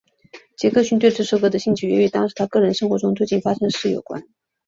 杰克逊对这首歌的兴趣也与当时他个人生活中最近发生的事有关。